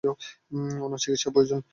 ওনার চিকিৎসার প্রয়োজন।